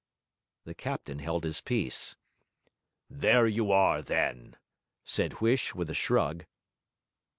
The captain held his peace. 'There you are then!' said Huish with a shrug.